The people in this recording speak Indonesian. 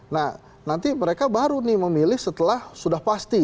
nah nanti mereka baru nih memilih setelah sudah pasti